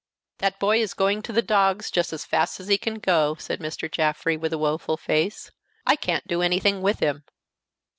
"That boy is going to the dogs just as fast as he can go," said Mr. Jaffrey, with a woeful face. "I can't do anything with him."